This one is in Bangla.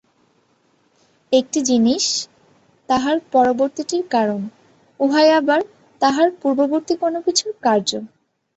একটি জিনিষ তাহার পরবর্তীটির কারণ, উহাই আবার তাহার পূর্ববর্তী কোন কিছুর কার্য।